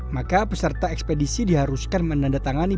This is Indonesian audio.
maka peserta ekspedisi diharuskan menandatangani